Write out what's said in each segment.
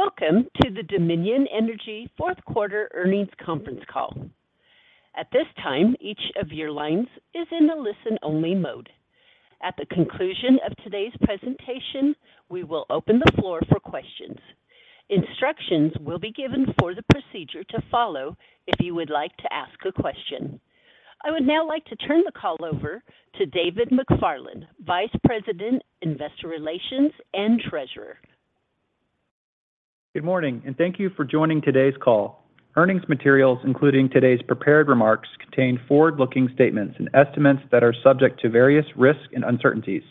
Welcome to the Dominion Energy Fourth-Quarter Earnings Conference Call. At this time, each of your lines is in the listen-only mode. At the conclusion of today's presentation, we will open the floor for questions. Instructions will be given for the procedure to follow if you would like to ask a question. I would now like to turn the call over to David McFarland, Vice President, Investor Relations and Treasurer. Good morning, and thank you for joining today's call. Earnings materials, including today's prepared remarks, contain forward-looking statements and estimates that are subject to various risks and uncertainties.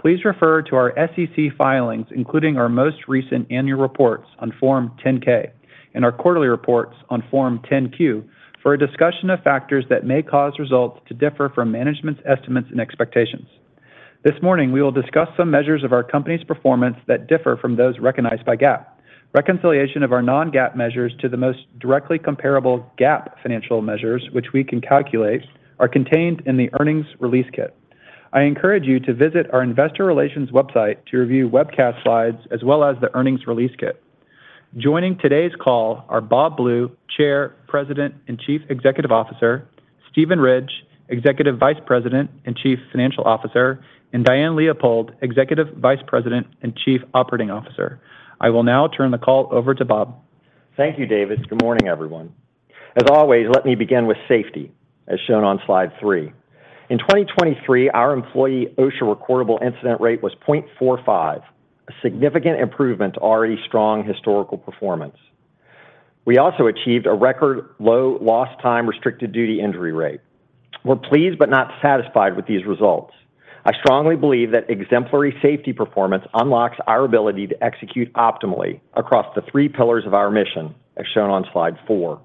Please refer to our SEC filings, including our most recent annual reports on Form 10-K and our quarterly reports on Form 10-Q, for a discussion of factors that may cause results to differ from management's estimates and expectations. This morning, we will discuss some measures of our company's performance that differ from those recognized by GAAP. Reconciliation of our non-GAAP measures to the most directly comparable GAAP financial measures, which we can calculate, are contained in the earnings release kit. I encourage you to visit our investor relations website to review webcast slides as well as the earnings release kit. Joining today's call are Bob Blue, Chair, President and Chief Executive Officer, Steven Ridge, Executive Vice President and Chief Financial Officer, and Diane Leopold, Executive Vice President and Chief Operating Officer. I will now turn the call over to Bob. Thank you, David. Good morning, everyone. As always, let me begin with safety, as shown on slide three. In 2023, our employee OSHA recordable incident rate was 0.45, a significant improvement to already strong historical performance. We also achieved a record low lost-time restricted-duty injury rate. We're pleased but not satisfied with these results. I strongly believe that exemplary safety performance unlocks our ability to execute optimally across the three pillars of our mission, as shown on slide four.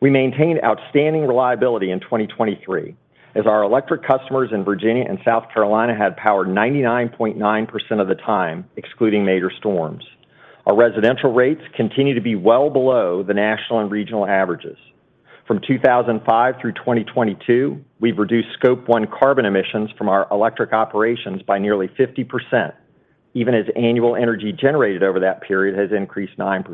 We maintained outstanding reliability in 2023, as our electric customers in Virginia and South Carolina had power 99.9% of the time, excluding major storms. Our residential rates continue to be well below the national and regional averages. From 2005 through 2022, we've reduced Scope 1 carbon emissions from our electric operations by nearly 50%, even as annual energy generated over that period has increased 9%.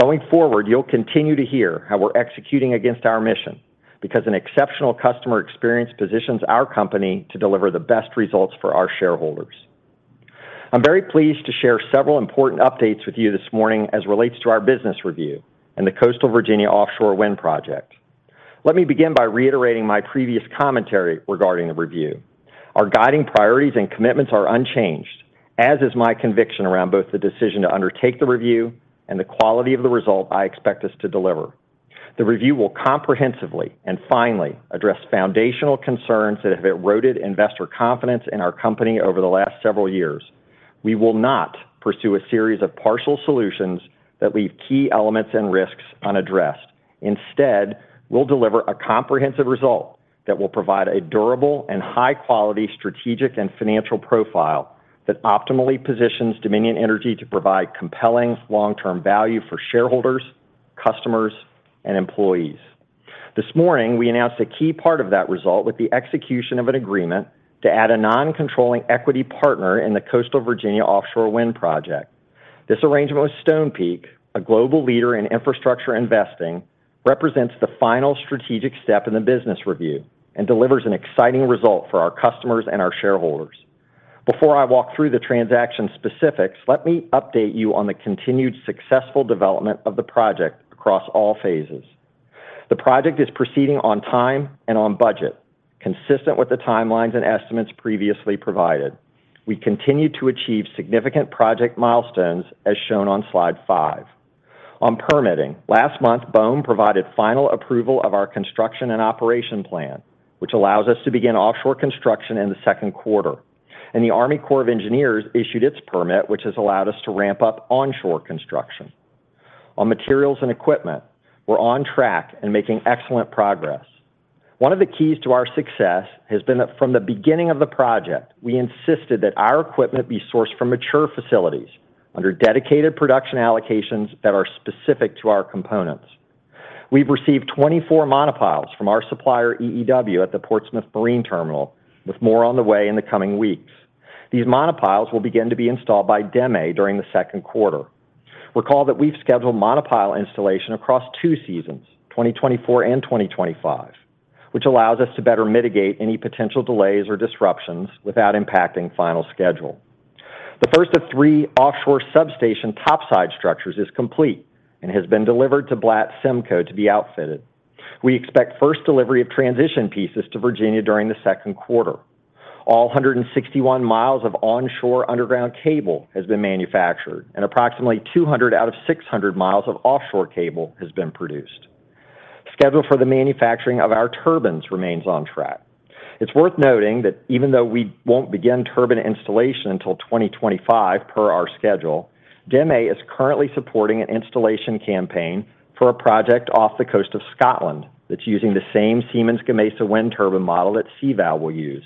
Going forward, you'll continue to hear how we're executing against our mission because an exceptional customer experience positions our company to deliver the best results for our shareholders. I'm very pleased to share several important updates with you this morning as relates to our business review and the Coastal Virginia Offshore Wind Project. Let me begin by reiterating my previous commentary regarding the review. Our guiding priorities and commitments are unchanged, as is my conviction around both the decision to undertake the review and the quality of the result I expect us to deliver. The review will comprehensively and finely address foundational concerns that have eroded investor confidence in our company over the last several years. We will not pursue a series of partial solutions that leave key elements and risks unaddressed. Instead, we'll deliver a comprehensive result that will provide a durable and high-quality strategic and financial profile that optimally positions Dominion Energy to provide compelling long-term value for shareholders, customers, and employees. This morning, we announced a key part of that result with the execution of an agreement to add a non-controlling equity partner in the Coastal Virginia Offshore Wind Project. This arrangement with Stonepeak, a global leader in infrastructure investing, represents the final strategic step in the business review and delivers an exciting result for our customers and our shareholders. Before I walk through the transaction specifics, let me update you on the continued successful development of the project across all phases. The project is proceeding on time and on budget, consistent with the timelines and estimates previously provided. We continue to achieve significant project milestones, as shown on slide five. On permitting, last month, BOEM provided final approval of our construction and operation plan, which allows us to begin offshore construction in the second quarter, and the U.S. Army Corps of Engineers issued its permit, which has allowed us to ramp up onshore construction. On materials and equipment, we're on track and making excellent progress. One of the keys to our success has been that from the beginning of the project, we insisted that our equipment be sourced from mature facilities under dedicated production allocations that are specific to our components. We've received 24 monopiles from our supplier EEW at the Portsmouth Marine Terminal, with more on the way in the coming weeks. These monopiles will begin to be installed by DEME during the second quarter. Recall that we've scheduled monopile installation across two seasons, 2024 and 2025, which allows us to better mitigate any potential delays or disruptions without impacting final schedule. The first of three offshore substation topside structures is complete and has been delivered to Bladt Semco to be outfitted. We expect first delivery of transition pieces to Virginia during the second quarter. All 161 mi of onshore underground cable has been manufactured, and approximately 200 mi out of 600 mi of offshore cable has been produced. Schedule for the manufacturing of our turbines remains on track. It's worth noting that even though we won't begin turbine installation until 2025 per our schedule, DEME is currently supporting an installation campaign for a project off the coast of Scotland that's using the same Siemens Gamesa wind turbine model that CVOW will use.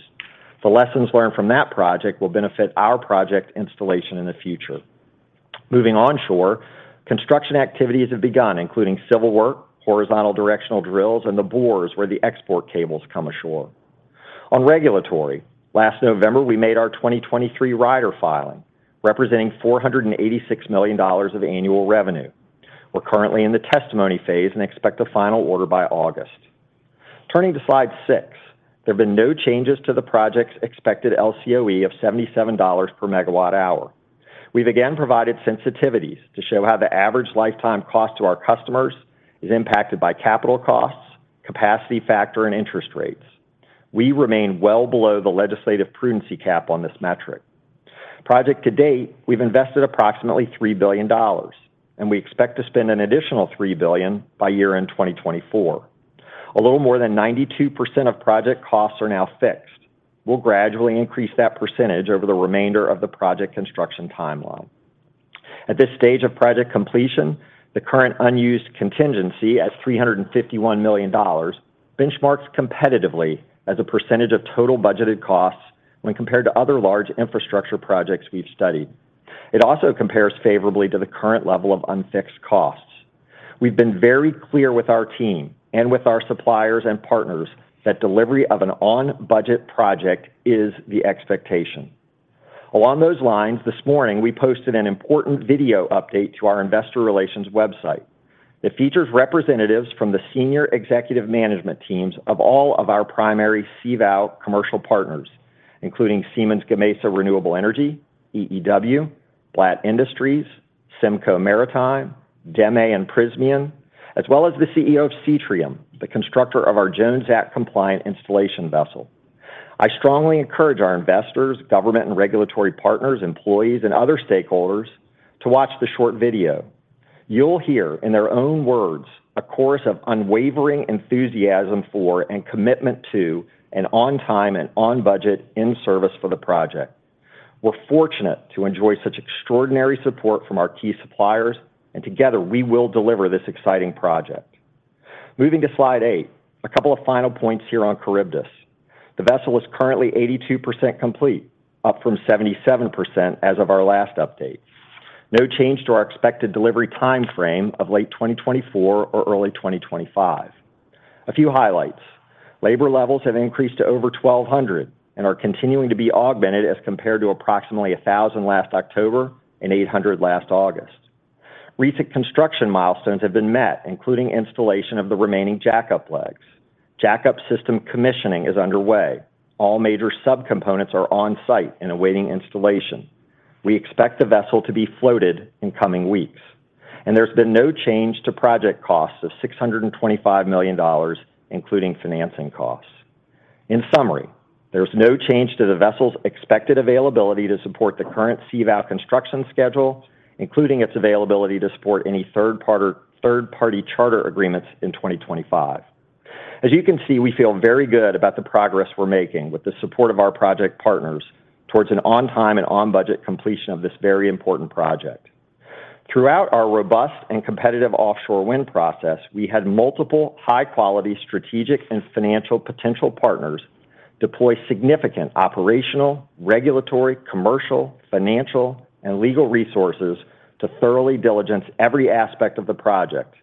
The lessons learned from that project will benefit our project installation in the future. Moving onshore, construction activities have begun, including civil work, horizontal directional drills, and the bores where the export cables come ashore. On regulatory, last November, we made our 2023 rider filing, representing $486 million of annual revenue. We're currently in the testimony phase and expect a final order by August. Turning to slide six, there have been no changes to the project's expected LCOE of $77 per megawatt-hour. We've again provided sensitivities to show how the average lifetime cost to our customers is impacted by capital costs, capacity factor, and interest rates. We remain well below the legislative prudency cap on this metric. Project to date, we've invested approximately $3 billion, and we expect to spend an additional $3 billion by year-end 2024. A little more than 92% of project costs are now fixed. We'll gradually increase that percentage over the remainder of the project construction timeline. At this stage of project completion, the current unused contingency at $351 million benchmarks competitively as a percentage of total budgeted costs when compared to other large infrastructure projects we've studied. It also compares favorably to the current level of unfixed costs. We've been very clear with our team and with our suppliers and partners that delivery of an on-budget project is the expectation. Along those lines, this morning, we posted an important video update to our investor relations website. It features representatives from the senior executive management teams of all of our primary CVOW commercial partners, including Siemens Gamesa Renewable Energy, EEW, Bladt Industries, Semco Maritime, DEME, and Prysmian, as well as the CEO of Seatrium, the constructor of our Jones Act-compliant installation vessel. I strongly encourage our investors, government and regulatory partners, employees, and other stakeholders to watch the short video. You'll hear, in their own words, a chorus of unwavering enthusiasm for and commitment to an on-time and on-budget in-service for the project. We're fortunate to enjoy such extraordinary support from our key suppliers, and together, we will deliver this exciting project. Moving to slide eight, a couple of final points here on Charybdis. The vessel is currently 82% complete, up from 77% as of our last update. No change to our expected delivery time frame of late 2024 or early 2025. A few highlights: labor levels have increased to over 1,200 and are continuing to be augmented as compared to approximately 1,000 last October and 800 last August. Recent construction milestones have been met, including installation of the remaining jackup legs. Jackup system commissioning is underway. All major subcomponents are on-site and awaiting installation. We expect the vessel to be floated in coming weeks. There's been no change to project costs of $625 million, including financing costs. In summary, there's no change to the vessel's expected availability to support the current CVOW construction schedule, including its availability to support any third-party charter agreements in 2025. As you can see, we feel very good about the progress we're making with the support of our project partners towards an on-time and on-budget completion of this very important project. Throughout our robust and competitive offshore wind process, we had multiple high-quality strategic and financial potential partners deploy significant operational, regulatory, commercial, financial, and legal resources to thoroughly diligence every aspect of the project.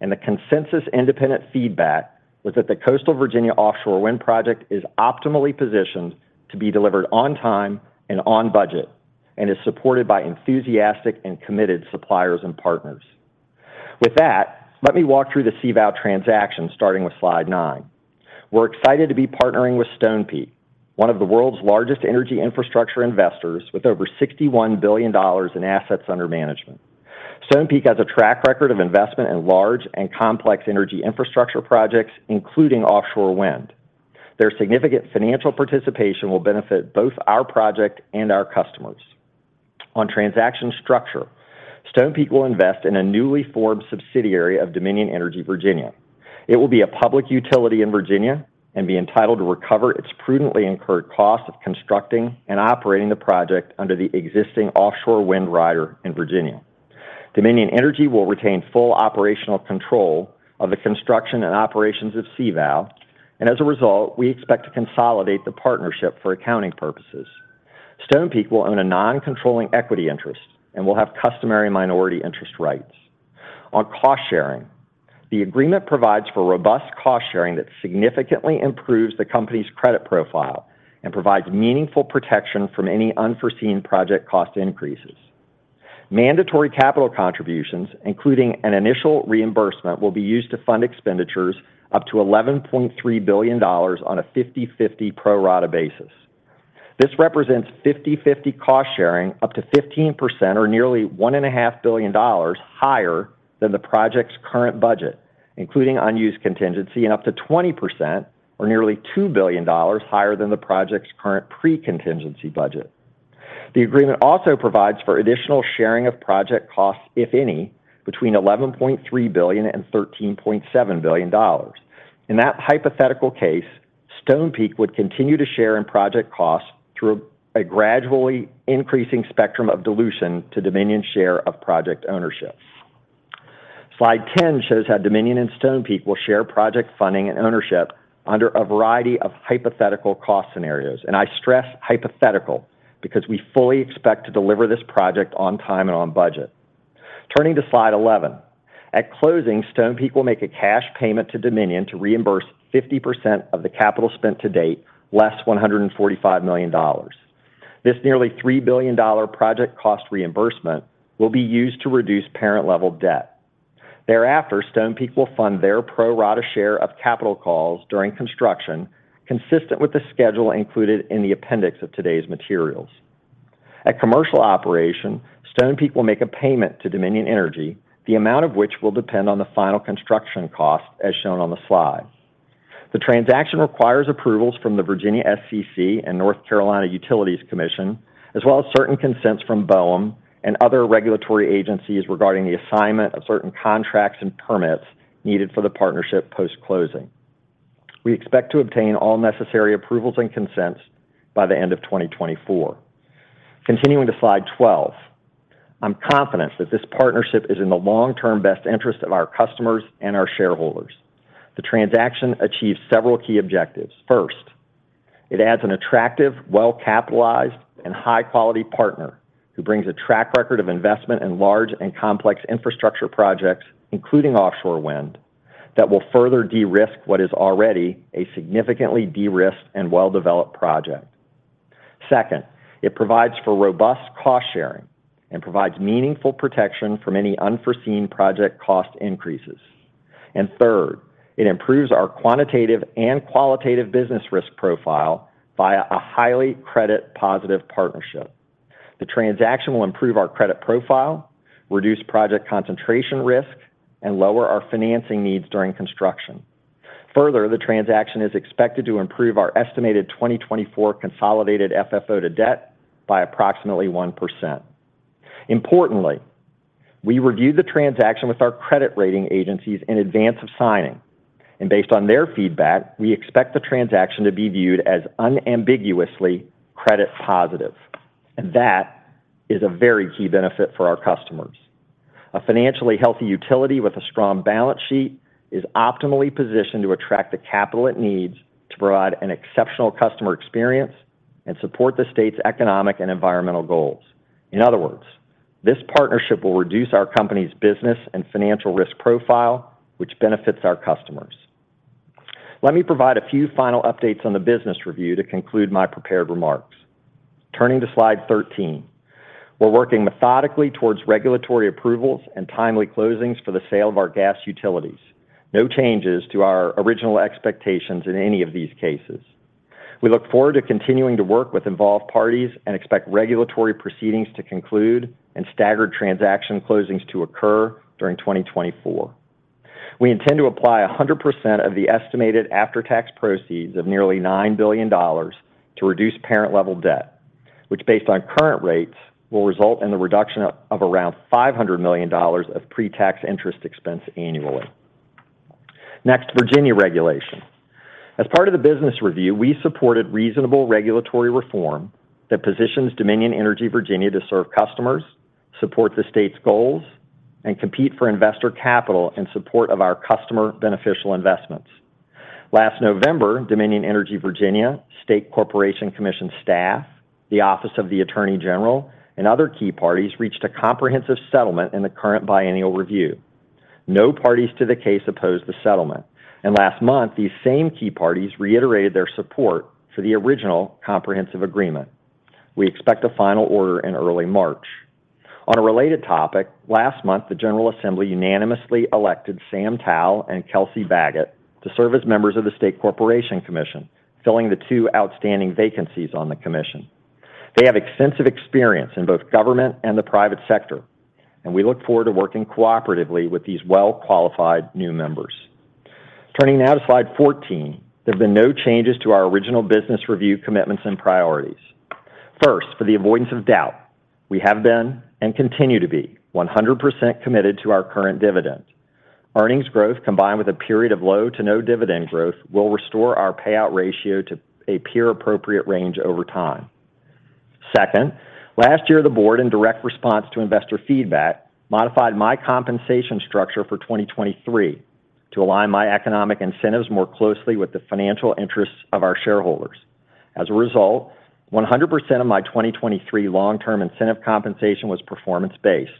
The consensus independent feedback was that the Coastal Virginia Offshore Wind Project is optimally positioned to be delivered on time and on budget and is supported by enthusiastic and committed suppliers and partners. With that, let me walk through the CVOW transaction, starting with slide nine. We're excited to be partnering with Stonepeak, one of the world's largest energy infrastructure investors with over $61 billion in assets under management. Stonepeak has a track record of investment in large and complex energy infrastructure projects, including offshore wind. Their significant financial participation will benefit both our project and our customers. On transaction structure, Stonepeak will invest in a newly formed subsidiary of Dominion Energy Virginia. It will be a public utility in Virginia and be entitled to recover its prudently incurred costs of constructing and operating the project under the existing offshore wind rider in Virginia. Dominion Energy will retain full operational control of the construction and operations of CVOW, and as a result, we expect to consolidate the partnership for accounting purposes. Stonepeak will own a non-controlling equity interest and will have customary minority interest rights. On cost sharing, the agreement provides for robust cost sharing that significantly improves the company's credit profile and provides meaningful protection from any unforeseen project cost increases. Mandatory capital contributions, including an initial reimbursement, will be used to fund expenditures up to $11.3 billion on a 50/50 pro-rata basis. This represents 50/50 cost sharing up to 15% or nearly $1.5 billion higher than the project's current budget, including unused contingency and up to 20% or nearly $2 billion higher than the project's current pre-contingency budget. The agreement also provides for additional sharing of project costs, if any, between $11.3 billion and $13.7 billion. In that hypothetical case, Stonepeak would continue to share in project costs through a gradually increasing spectrum of dilution to Dominion's share of project ownership. Slide 10 shows how Dominion and Stonepeak will share project funding and ownership under a variety of hypothetical cost scenarios. I stress hypothetical because we fully expect to deliver this project on time and on budget. Turning to slide 11, at closing, Stonepeak will make a cash payment to Dominion to reimburse 50% of the capital spent to date, less $145 million. This nearly $3 billion project cost reimbursement will be used to reduce parent-level debt. Thereafter, Stonepeak will fund their pro-rata share of capital calls during construction, consistent with the schedule included in the appendix of today's materials. At commercial operation, Stonepeak will make a payment to Dominion Energy, the amount of which will depend on the final construction cost, as shown on the slide. The transaction requires approvals from the Virginia SCC and North Carolina Utilities Commission, as well as certain consents from BOEM and other regulatory agencies regarding the assignment of certain contracts and permits needed for the partnership post-closing. We expect to obtain all necessary approvals and consents by the end of 2024. Continuing to slide 12, I'm confident that this partnership is in the long-term best interest of our customers and our shareholders. The transaction achieves several key objectives. First, it adds an attractive, well-capitalized, and high-quality partner who brings a track record of investment in large and complex infrastructure projects, including offshore wind, that will further de-risk what is already a significantly de-risked and well-developed project. Second, it provides for robust cost sharing and provides meaningful protection from any unforeseen project cost increases. Third, it improves our quantitative and qualitative business risk profile via a highly credit-positive partnership. The transaction will improve our credit profile, reduce project concentration risk, and lower our financing needs during construction. Further, the transaction is expected to improve our estimated 2024 consolidated FFO to debt by approximately 1%. Importantly, we reviewed the transaction with our credit rating agencies in advance of signing, and based on their feedback, we expect the transaction to be viewed as unambiguously credit-positive. That is a very key benefit for our customers. A financially healthy utility with a strong balance sheet is optimally positioned to attract the capital it needs to provide an exceptional customer experience and support the state's economic and environmental goals. In other words, this partnership will reduce our company's business and financial risk profile, which benefits our customers. Let me provide a few final updates on the business review to conclude my prepared remarks. Turning to slide 13, we're working methodically towards regulatory approvals and timely closings for the sale of our gas utilities. No changes to our original expectations in any of these cases. We look forward to continuing to work with involved parties and expect regulatory proceedings to conclude and staggered transaction closings to occur during 2024. We intend to apply 100% of the estimated after-tax proceeds of nearly $9 billion to reduce parent-level debt, which, based on current rates, will result in the reduction of around $500 million of pre-tax interest expense annually. Next, Virginia regulation. As part of the business review, we supported reasonable regulatory reform that positions Dominion Energy, Virginia, to serve customers, support the state's goals, and compete for investor capital in support of our customer-beneficial investments. Last November, Dominion Energy, Virginia, State Corporation Commission staff, the Office of the Attorney General, and other key parties reached a comprehensive settlement in the current biennial review. No parties to the case opposed the settlement. Last month, these same key parties reiterated their support for the original comprehensive agreement. We expect a final order in early March. On a related topic, last month, the General Assembly unanimously elected Sam Towell and Kelsey Bagot to serve as members of the State Corporation Commission, filling the two outstanding vacancies on the commission. They have extensive experience in both government and the private sector, and we look forward to working cooperatively with these well-qualified new members. Turning now to slide 14, there have been no changes to our original business review commitments and priorities. First, for the avoidance of doubt, we have been and continue to be 100% committed to our current dividend. Earnings growth, combined with a period of low to no dividend growth, will restore our payout ratio to a peer-appropriate range over time. Second, last year, the board, in direct response to investor feedback, modified my compensation structure for 2023 to align my economic incentives more closely with the financial interests of our shareholders. As a result, 100% of my 2023 long-term incentive compensation was performance-based.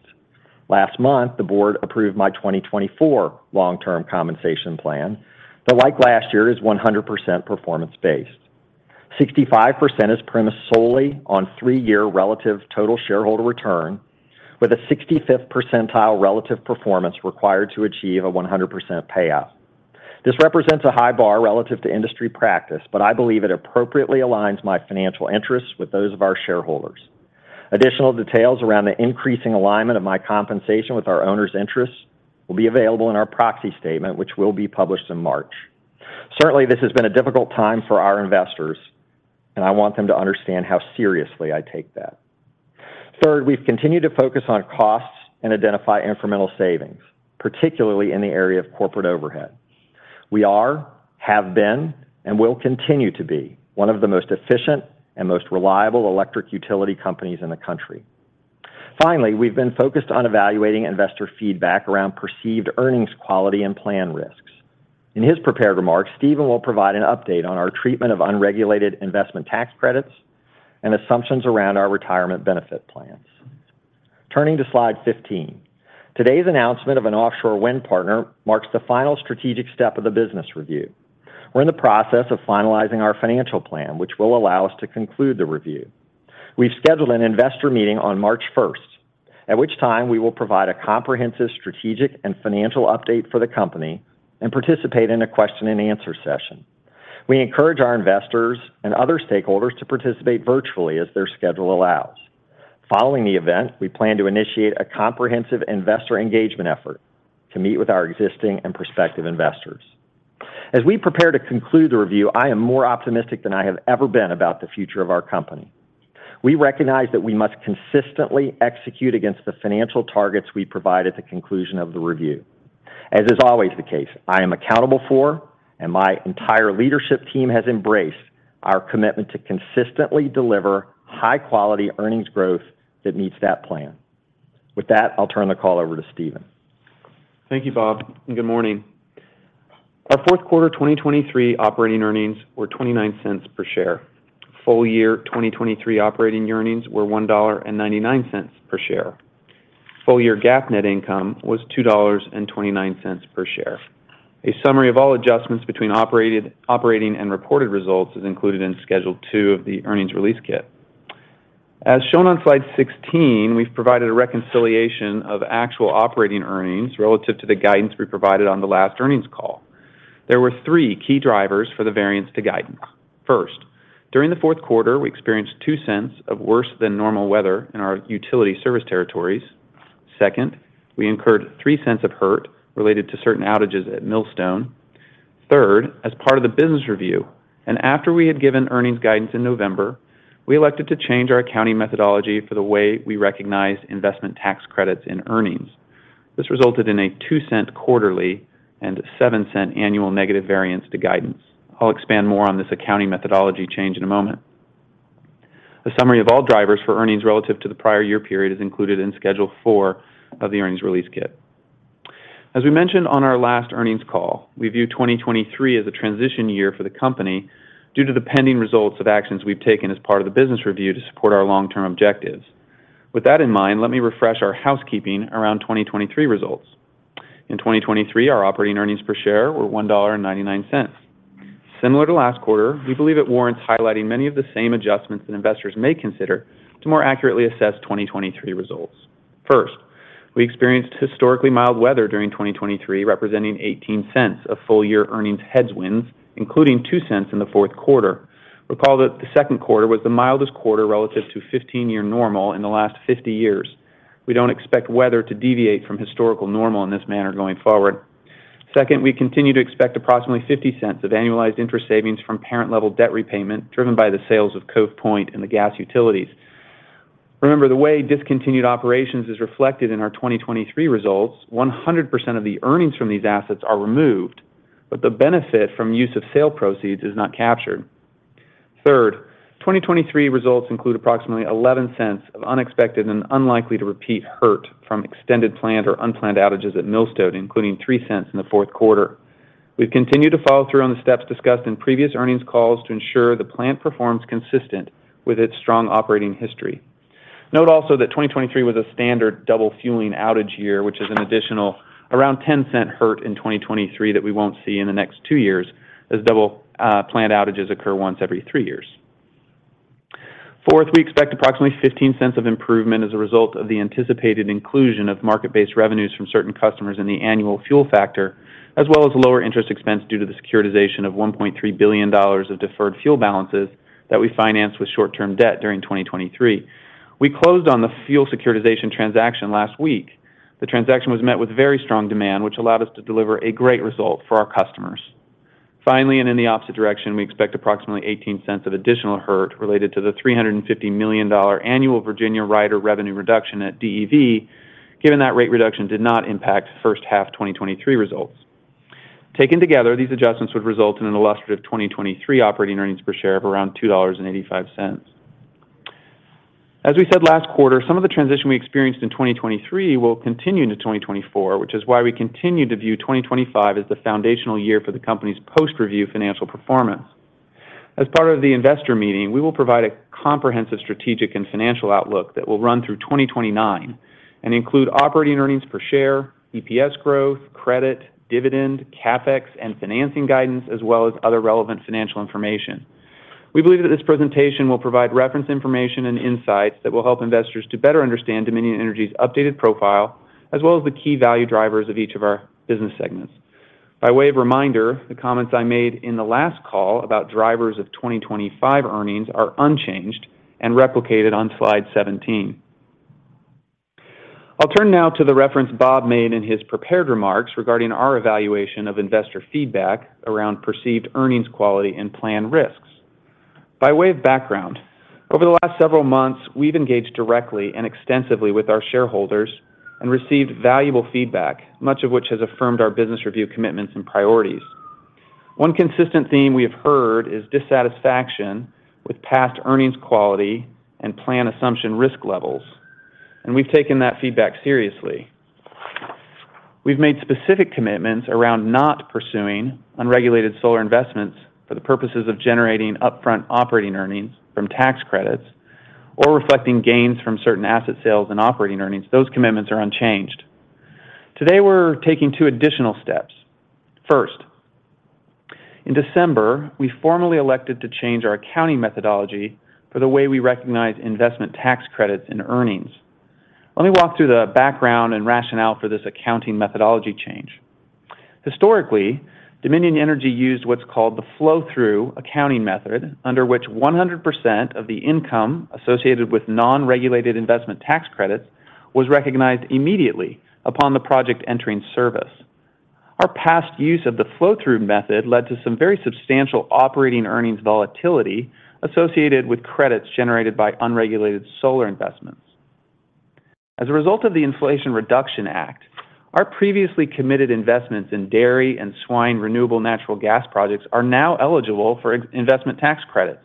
Last month, the board approved my 2024 long-term compensation plan, though, like last year, it is 100% performance-based. 65% is premised solely on three-year relative total shareholder return, with a 65th percentile relative performance required to achieve a 100% payout. This represents a high bar relative to industry practice, but I believe it appropriately aligns my financial interests with those of our shareholders. Additional details around the increasing alignment of my compensation with our owners' interests will be available in our proxy statement, which will be published in March. Certainly, this has been a difficult time for our investors, and I want them to understand how seriously I take that. Third, we've continued to focus on costs and identify incremental savings, particularly in the area of corporate overhead. We are, have been, and will continue to be one of the most efficient and most reliable electric utility companies in the country. Finally, we've been focused on evaluating investor feedback around perceived earnings quality and plan risks. In his prepared remarks, Steven will provide an update on our treatment of unregulated investment tax credits and assumptions around our retirement benefit plans. Turning to slide 15, today's announcement of an offshore wind partner marks the final strategic step of the business review. We're in the process of finalizing our financial plan, which will allow us to conclude the review. We've scheduled an investor meeting on March 1st, at which time we will provide a comprehensive strategic and financial update for the company and participate in a question-and-answer session. We encourage our investors and other stakeholders to participate virtually as their schedule allows. Following the event, we plan to initiate a comprehensive investor engagement effort to meet with our existing and prospective investors. As we prepare to conclude the review, I am more optimistic than I have ever been about the future of our company. We recognize that we must consistently execute against the financial targets we provide at the conclusion of the review. As is always the case, I am accountable for, and my entire leadership team has embraced our commitment to consistently deliver high-quality earnings growth that meets that plan. With that, I'll turn the call over to Steven. Thank you, Bob. Good morning. Our fourth quarter 2023 operating earnings were $0.29 per share. Full year 2023 operating earnings were $1.99 per share. Full year GAAP net income was $2.29 per share. A summary of all adjustments between operating and reported results is included in Schedule 2 of the earnings release kit. As shown on slide 16, we've provided a reconciliation of actual operating earnings relative to the guidance we provided on the last earnings call. There were three key drivers for the variance to guidance. First, during the fourth quarter, we experienced $0.02 of worse-than-normal weather in our utility service territories. Second, we incurred $0.03 of hurt related to certain outages at Millstone. Third, as part of the business review and after we had given earnings guidance in November, we elected to change our accounting methodology for the way we recognized investment tax credits in earnings. This resulted in a $0.02 quarterly and $0.07 annual negative variance to guidance. I'll expand more on this accounting methodology change in a moment. A summary of all drivers for earnings relative to the prior year period is included in Schedule 4 of the earnings release kit. As we mentioned on our last earnings call, we view 2023 as a transition year for the company due to the pending results of actions we've taken as part of the business review to support our long-term objectives. With that in mind, let me refresh our housekeeping around 2023 results. In 2023, our operating earnings per share were $1.99. Similar to last quarter, we believe it warrants highlighting many of the same adjustments that investors may consider to more accurately assess 2023 results. First, we experienced historically mild weather during 2023, representing $0.18 of full-year earnings headwinds, including $0.02 in the fourth quarter. Recall that the second quarter was the mildest quarter relative to 15-year normal in the last 50 years. We don't expect weather to deviate from historical normal in this manner going forward. Second, we continue to expect approximately $0.50 of annualized interest savings from parent-level debt repayment driven by the sales of Cove Point and the gas utilities. Remember, the way discontinued operations is reflected in our 2023 results, 100% of the earnings from these assets are removed, but the benefit from use of sale proceeds is not captured. Third, 2023 results include approximately $0.11 of unexpected and unlikely-to-repeat hurt from extended planned or unplanned outages at Millstone, including $0.03 in the fourth quarter. We've continued to follow through on the steps discussed in previous earnings calls to ensure the plant performs consistent with its strong operating history. Note also that 2023 was a standard double-fueling outage year, which is an additional around $0.10 hurt in 2023 that we won't see in the next two years as double-planned outages occur once every three years. Fourth, we expect approximately $0.15 of improvement as a result of the anticipated inclusion of market-based revenues from certain customers in the annual fuel factor, as well as lower interest expense due to the securitization of $1.3 billion of deferred fuel balances that we financed with short-term debt during 2023. We closed on the fuel securitization transaction last week. The transaction was met with very strong demand, which allowed us to deliver a great result for our customers. Finally, and in the opposite direction, we expect approximately $0.18 of additional hurt related to the $350 million annual Virginia Rider revenue reduction at DEV, given that rate reduction did not impact first-half 2023 results. Taken together, these adjustments would result in an illustrative 2023 operating earnings per share of around $2.85. As we said last quarter, some of the transition we experienced in 2023 will continue into 2024, which is why we continue to view 2025 as the foundational year for the company's post-review financial performance. As part of the investor meeting, we will provide a comprehensive strategic and financial outlook that will run through 2029 and include operating earnings per share, EPS growth, credit, dividend, CapEx, and financing guidance, as well as other relevant financial information. We believe that this presentation will provide reference information and insights that will help investors to better understand Dominion Energy's updated profile, as well as the key value drivers of each of our business segments. By way of reminder, the comments I made in the last call about drivers of 2025 earnings are unchanged and replicated on slide 17. I'll turn now to the reference Bob made in his prepared remarks regarding our evaluation of investor feedback around perceived earnings quality and plan risks. By way of background, over the last several months, we've engaged directly and extensively with our shareholders and received valuable feedback, much of which has affirmed our business review commitments and priorities. One consistent theme we have heard is dissatisfaction with past earnings quality and plan assumption risk levels. We've taken that feedback seriously. We've made specific commitments around not pursuing unregulated solar investments for the purposes of generating upfront operating earnings from tax credits or reflecting gains from certain asset sales and operating earnings. Those commitments are unchanged. Today, we're taking two additional steps. First, in December, we formally elected to change our accounting methodology for the way we recognize investment tax credits in earnings. Let me walk through the background and rationale for this accounting methodology change. Historically, Dominion Energy used what's called the flow-through accounting method, under which 100% of the income associated with non-regulated investment tax credits was recognized immediately upon the project entering service. Our past use of the flow-through method led to some very substantial operating earnings volatility associated with credits generated by unregulated solar investments. As a result of the Inflation Reduction Act, our previously committed investments in dairy and swine renewable natural gas projects are now eligible for investment tax credits.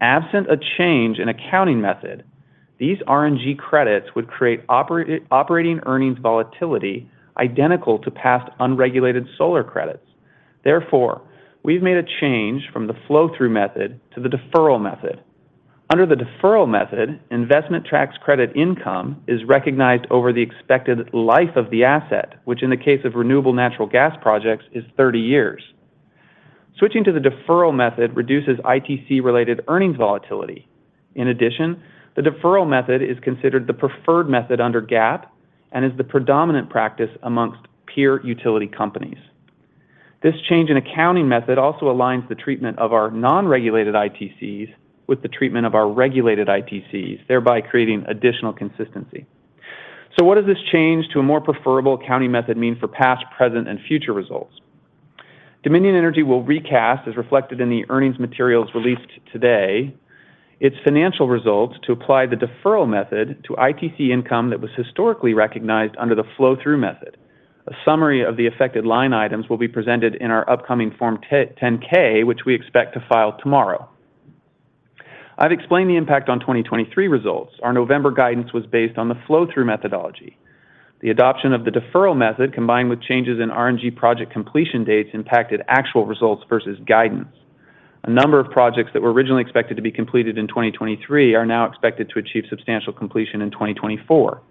Absent a change in accounting method, these RNG credits would create operating earnings volatility identical to past unregulated solar credits. Therefore, we've made a change from the flow-through method to the deferral method. Under the deferral method, investment tax credit income is recognized over the expected life of the asset, which, in the case of renewable natural gas projects, is 30 years. Switching to the deferral method reduces ITC-related earnings volatility. In addition, the deferral method is considered the preferred method under GAAP and is the predominant practice amongst peer utility companies. This change in accounting method also aligns the treatment of our non-regulated ITCs with the treatment of our regulated ITCs, thereby creating additional consistency. So what does this change to a more preferable accounting method mean for past, present, and future results? Dominion Energy will recast, as reflected in the earnings materials released today, its financial results to apply the deferral method to ITC income that was historically recognized under the flow-through method. A summary of the affected line items will be presented in our upcoming Form 10-K, which we expect to file tomorrow. I've explained the impact on 2023 results. Our November guidance was based on the flow-through methodology. The adoption of the deferral method, combined with changes in RNG project completion dates, impacted actual results versus guidance. A number of projects that were originally expected to be completed in 2023 are now expected to achieve substantial completion in 2024.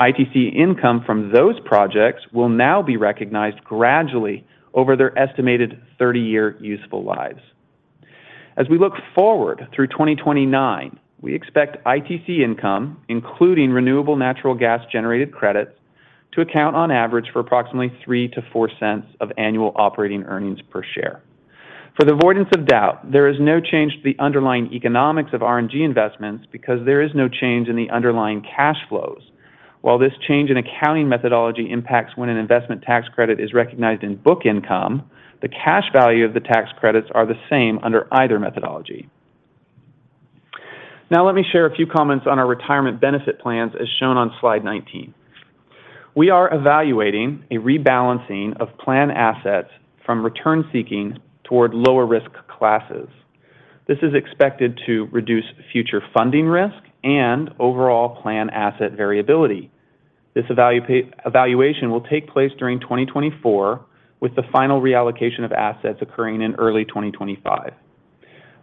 ITC income from those projects will now be recognized gradually over their estimated 30-year useful lives. As we look forward through 2029, we expect ITC income, including renewable natural gas-generated credits, to account, on average, for approximately $0.03-$0.04 of annual operating earnings per share. For the avoidance of doubt, there is no change to the underlying economics of RNG investments because there is no change in the underlying cash flows. While this change in accounting methodology impacts when an investment tax credit is recognized in book income, the cash value of the tax credits is the same under either methodology. Now, let me share a few comments on our retirement benefit plans, as shown on slide 19. We are evaluating a rebalancing of plan assets from return-seeking toward lower-risk classes. This is expected to reduce future funding risk and overall plan asset variability. This evaluation will take place during 2024, with the final reallocation of assets occurring in early 2025.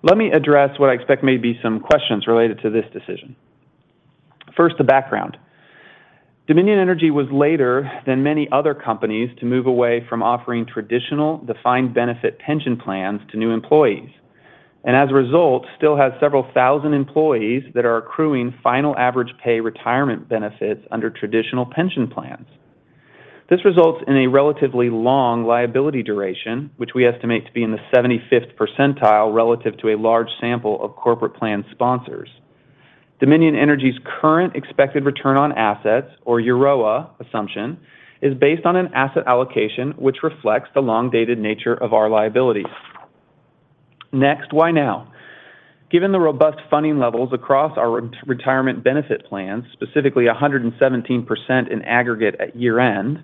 Let me address what I expect may be some questions related to this decision. First, the background. Dominion Energy was later than many other companies to move away from offering traditional defined benefit pension plans to new employees. And as a result, it still has several thousand employees that are accruing final average pay retirement benefits under traditional pension plans. This results in a relatively long liability duration, which we estimate to be in the 75th percentile relative to a large sample of corporate plan sponsors. Dominion Energy's current expected return on assets, or EROA assumption, is based on an asset allocation which reflects the long-dated nature of our liabilities. Next, why now? Given the robust funding levels across our retirement benefit plans, specifically 117% in aggregate at year-end,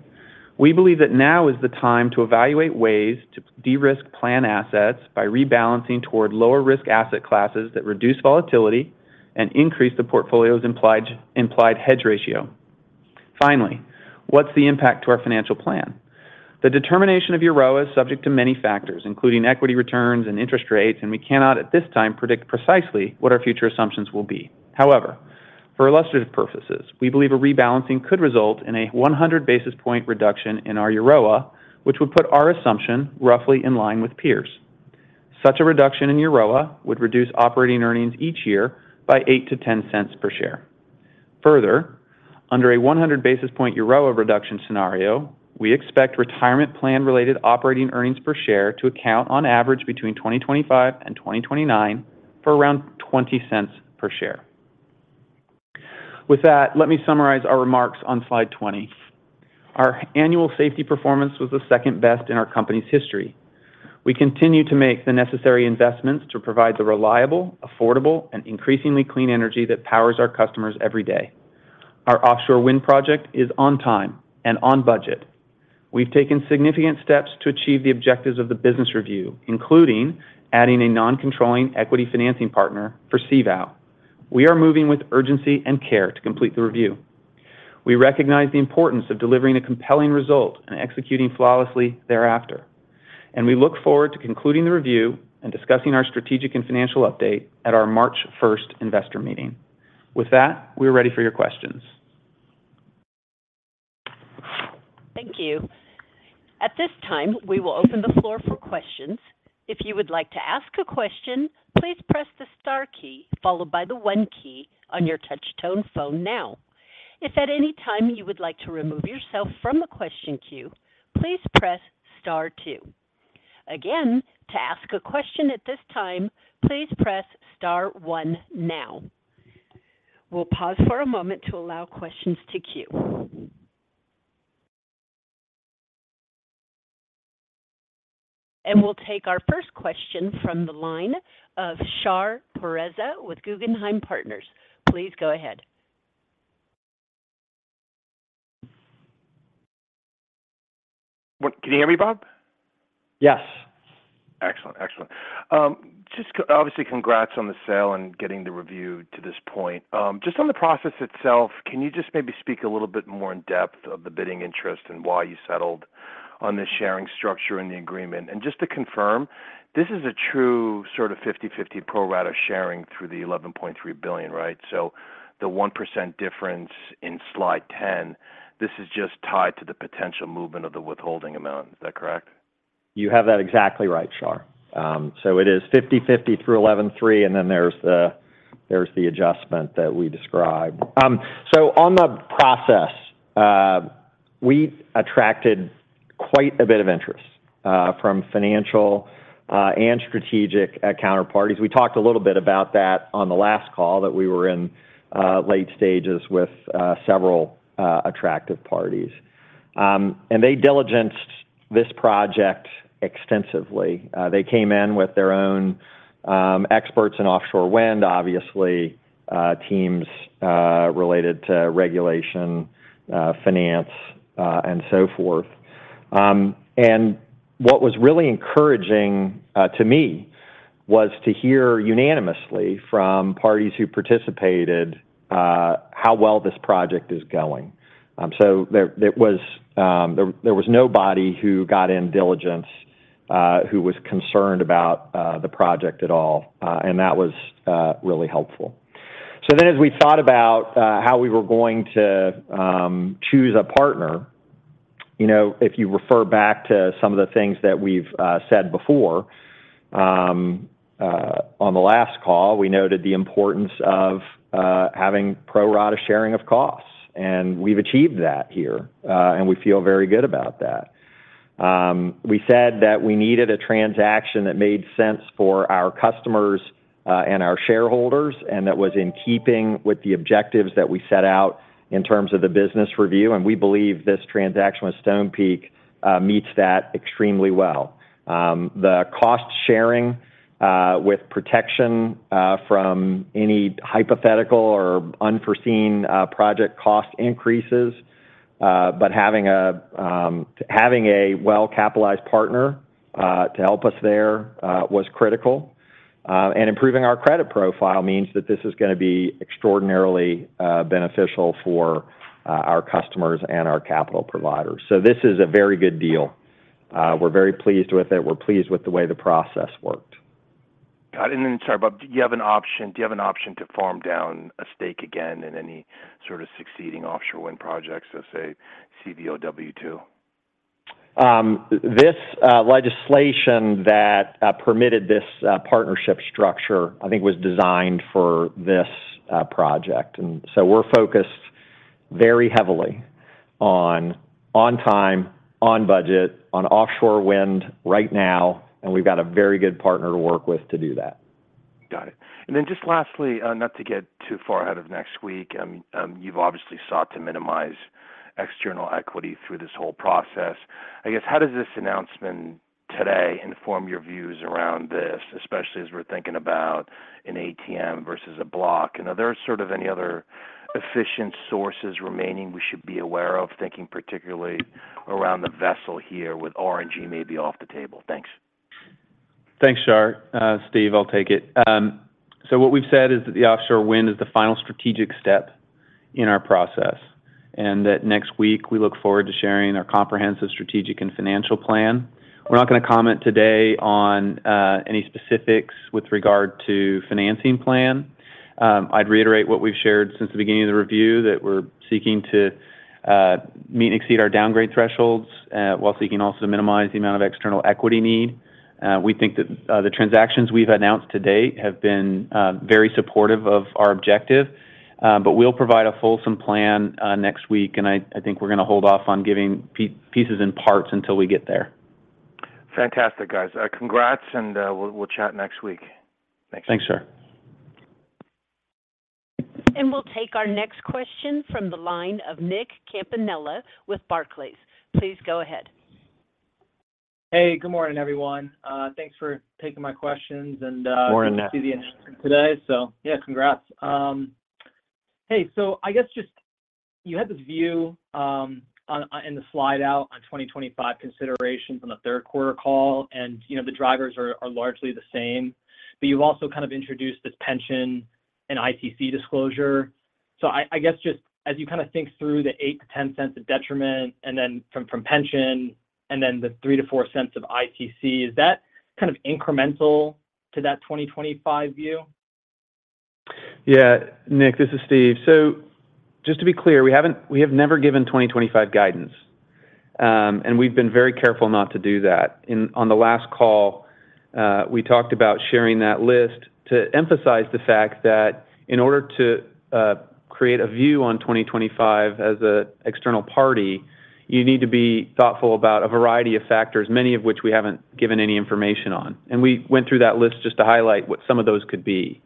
we believe that now is the time to evaluate ways to de-risk plan assets by rebalancing toward lower-risk asset classes that reduce volatility and increase the portfolio's implied hedge ratio. Finally, what's the impact to our financial plan? The determination of EROA is subject to many factors, including equity returns and interest rates, and we cannot, at this time, predict precisely what our future assumptions will be. However, for illustrative purposes, we believe a rebalancing could result in a 100 basis point reduction in our EROA, which would put our assumption roughly in line with peers. Such a reduction in EROA would reduce operating earnings each year by $0.08-$0.10 per share. Further, under a 100 basis point EROA reduction scenario, we expect retirement plan-related operating earnings per share to account, on average, between 2025 and 2029 for around $0.20 per share. With that, let me summarize our remarks on slide 20. Our annual safety performance was the second best in our company's history. We continue to make the necessary investments to provide the reliable, affordable, and increasingly clean energy that powers our customers every day. Our offshore wind project is on time and on budget. We've taken significant steps to achieve the objectives of the business review, including adding a non-controlling equity financing partner for CVOW. We are moving with urgency and care to complete the review. We recognize the importance of delivering a compelling result and executing flawlessly thereafter. We look forward to concluding the review and discussing our strategic and financial update at our March 1st investor meeting. With that, we're ready for your questions. Thank you. At this time, we will open the floor for questions. If you would like to ask a question, please press the star key followed by the one key on your touch-tone phone now. If at any time you would like to remove yourself from the question queue, please press star two. Again, to ask a question at this time, please press star one now. We'll pause for a moment to allow questions to queue. We'll take our first question from the line of Shar Pourreza with Guggenheim Partners. Please go ahead. Can you hear me, Bob? Yes. Excellent. Excellent. Obviously, congrats on the sale and getting the review to this point. Just on the process itself, can you just maybe speak a little bit more in-depth of the bidding interest and why you settled on this sharing structure in the agreement? And just to confirm, this is a true sort of 50/50 pro rata sharing through the $11.3 billion, right? So the 1% difference in slide 10, this is just tied to the potential movement of the withholding amount. Is that correct? You have that exactly right, Shar. So it is 50/50 through $11.3 billion, and then there's the adjustment that we described. So on the process, we attracted quite a bit of interest from financial and strategic counterparties. We talked a little bit about that on the last call, that we were in late stages with several attractive parties. And they diligenced this project extensively. They came in with their own experts in offshore wind, obviously, teams related to regulation, finance, and so forth. And what was really encouraging to me was to hear unanimously from parties who participated how well this project is going. So there was nobody who got in diligence who was concerned about the project at all. And that was really helpful. So then, as we thought about how we were going to choose a partner, if you refer back to some of the things that we've said before on the last call, we noted the importance of having pro rata sharing of costs. We've achieved that here, and we feel very good about that. We said that we needed a transaction that made sense for our customers and our shareholders and that was in keeping with the objectives that we set out in terms of the business review. We believe this transaction with Stonepeak meets that extremely well. The cost sharing with protection from any hypothetical or unforeseen project cost increases, but having a well-capitalized partner to help us there was critical. Improving our credit profile means that this is going to be extraordinarily beneficial for our customers and our capital providers. This is a very good deal. We're very pleased with it. We're pleased with the way the process worked. Got it. And then, sorry, Bob, do you have an option to farm down a stake again in any sort of succeeding offshore wind projects, let's say CVOW2? This legislation that permitted this partnership structure, I think, was designed for this project. And so we're focused very heavily on time, on budget, on offshore wind right now, and we've got a very good partner to work with to do that. Got it. And then just lastly, not to get too far ahead of next week, you've obviously sought to minimize external equity through this whole process. I guess, how does this announcement today inform your views around this, especially as we're thinking about an ATM versus a block? And are there sort of any other efficient sources remaining we should be aware of, thinking particularly around the vessel here with RNG maybe off the table? Thanks. Thanks, Shar. Steve, I'll take it. So what we've said is that the offshore wind is the final strategic step in our process and that next week, we look forward to sharing our comprehensive strategic and financial plan. We're not going to comment today on any specifics with regard to financing plan. I'd reiterate what we've shared since the beginning of the review, that we're seeking to meet and exceed our downgrade thresholds while seeking also to minimize the amount of external equity need. We think that the transactions we've announced to date have been very supportive of our objective. But we'll provide a fulsome plan next week, and I think we're going to hold off on giving pieces and parts until we get there. Fantastic, guys. Congrats, and we'll chat next week. Thanks. Thanks, Shar. We'll take our next question from the line of Nick Campanella with Barclays. Please go ahead. Hey, good morning, everyone. Thanks for taking my questions, and I appreciate the announcement today. So yeah, congrats. Hey, so I guess just you had this view in the slide out on 2025 considerations on the third-quarter call, and the drivers are largely the same. But you've also kind of introduced this pension and ITC disclosure. So I guess just as you kind of think through the $0.08-$0.10 of detriment and then from pension and then the $0.03-$0.04 of ITC, is that kind of incremental to that 2025 view? Yeah, Nick, this is Steve. So just to be clear, we have never given 2025 guidance, and we've been very careful not to do that. On the last call, we talked about sharing that list to emphasize the fact that in order to create a view on 2025 as an external party, you need to be thoughtful about a variety of factors, many of which we haven't given any information on. And we went through that list just to highlight what some of those could be.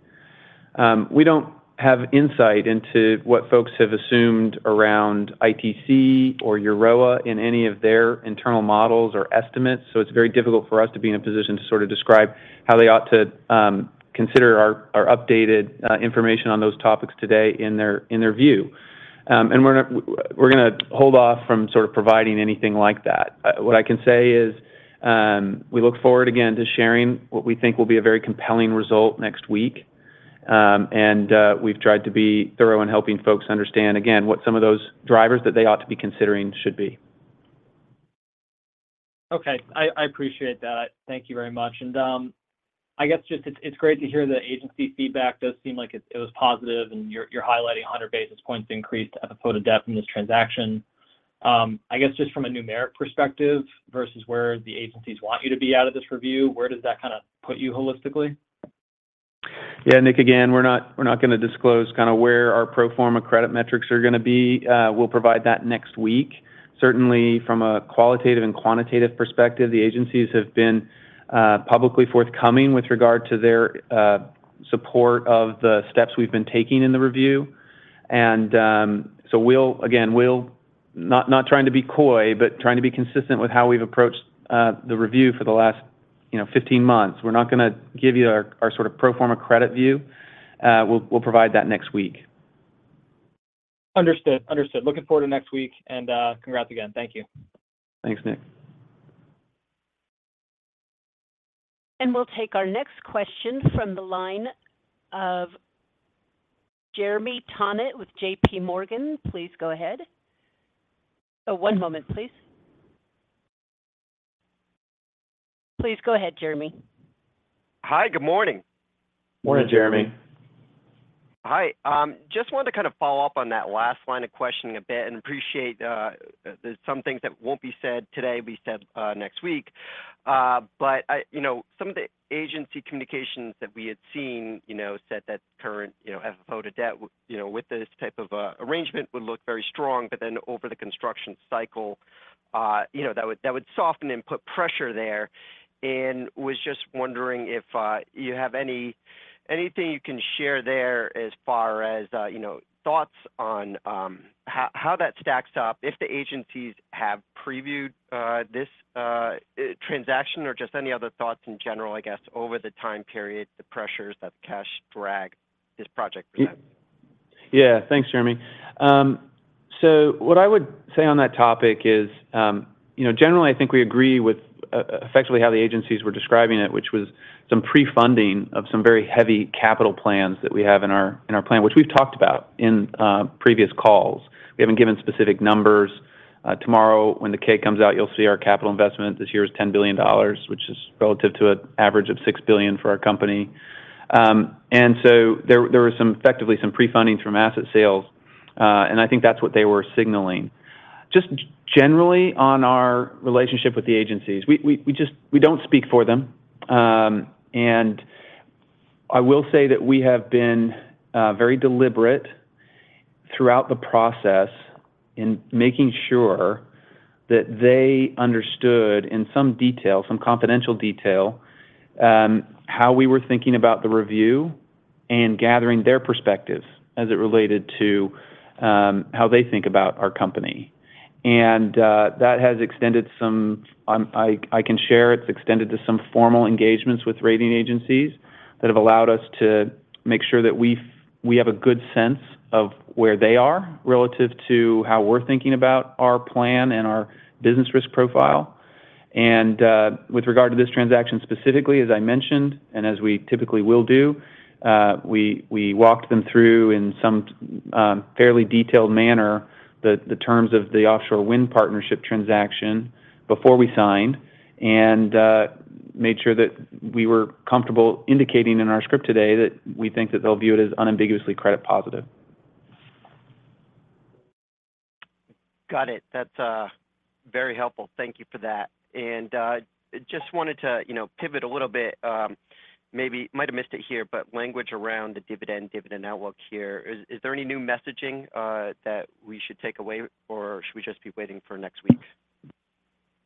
We don't have insight into what folks have assumed around ITC or EROA in any of their internal models or estimates, so it's very difficult for us to be in a position to sort of describe how they ought to consider our updated information on those topics today in their view. And we're going to hold off from sort of providing anything like that. What I can say is we look forward, again, to sharing what we think will be a very compelling result next week. We've tried to be thorough in helping folks understand, again, what some of those drivers that they ought to be considering should be. Okay. I appreciate that. Thank you very much. I guess just it's great to hear the agency feedback. It does seem like it was positive, and you're highlighting 100 basis points increased to FFO to Debt from this transaction. I guess just from a numeric perspective versus where the agencies want you to be out of this review, where does that kind of put you holistically? Yeah, Nick, again, we're not going to disclose kind of where our pro forma credit metrics are going to be. We'll provide that next week. Certainly, from a qualitative and quantitative perspective, the agencies have been publicly forthcoming with regard to their support of the steps we've been taking in the review. And so again, we're not trying to be coy, but trying to be consistent with how we've approached the review for the last 15 months. We're not going to give you our sort of pro forma credit view. We'll provide that next week. Understood. Understood. Looking forward to next week, and congrats again. Thank you. Thanks, Nick. We'll take our next question from the line of Jeremy Tonet with JPMorgan. Please go ahead. Oh, one moment, please. Please go ahead, Jeremy. Hi, good morning. Morning, Jeremy. Hi. Just wanted to kind of follow up on that last line of questioning a bit and appreciate there's some things that won't be said today, be said next week. But some of the agency communications that we had seen said that current FFO to debt with this type of arrangement would look very strong, but then over the construction cycle, that would soften and put pressure there. And was just wondering if you have anything you can share there as far as thoughts on how that stacks up, if the agencies have previewed this transaction or just any other thoughts in general, I guess, over the time period, the pressures that the cash drag this project presents? Yeah. Thanks, Jeremy. So what I would say on that topic is, generally, I think we agree with effectively how the agencies were describing it, which was some pre-funding of some very heavy capital plans that we have in our plan, which we've talked about in previous calls. We haven't given specific numbers. Tomorrow, when the K comes out, you'll see our capital investment. This year is $10 billion, which is relative to an average of $6 billion for our company. And so there was effectively some pre-funding through massive sales, and I think that's what they were signaling. Just generally, on our relationship with the agencies, we don't speak for them. I will say that we have been very deliberate throughout the process in making sure that they understood in some detail, some confidential detail, how we were thinking about the review and gathering their perspectives as it related to how they think about our company. That has extended, some I can share. It's extended to some formal engagements with rating agencies that have allowed us to make sure that we have a good sense of where they are relative to how we're thinking about our plan and our business risk profile. With regard to this transaction specifically, as I mentioned and as we typically will do, we walked them through in some fairly detailed manner the terms of the offshore wind partnership transaction before we signed and made sure that we were comfortable indicating in our script today that we think that they'll view it as unambiguously credit positive. Got it. That's very helpful. Thank you for that. Just wanted to pivot a little bit. Maybe might have missed it here, but language around the dividend, dividend outlook here. Is there any new messaging that we should take away, or should we just be waiting for next week?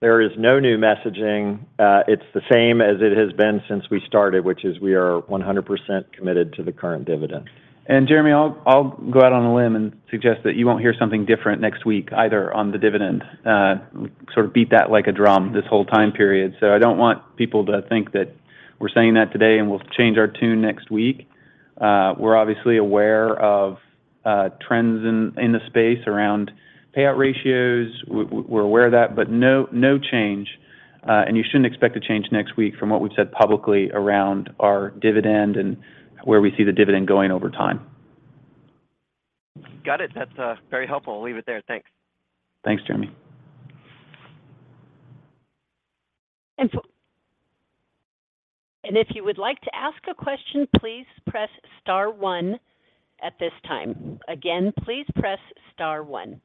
There is no new messaging. It's the same as it has been since we started, which is we are 100% committed to the current dividend. And Jeremy, I'll go out on a limb and suggest that you won't hear something different next week either on the dividend. Sort of beat that like a drum this whole time period. So I don't want people to think that we're saying that today and we'll change our tune next week. We're obviously aware of trends in the space around payout ratios. We're aware of that, but no change. And you shouldn't expect a change next week from what we've said publicly around our dividend and where we see the dividend going over time. Got it. That's very helpful. I'll leave it there. Thanks. Thanks, Jeremy. And if you would like to ask a question, please press star one at this time. Again, please press star one.